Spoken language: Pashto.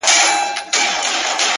نه .نه محبوبي زما.